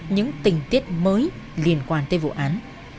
những tình tiết mới liên quan tới vụ án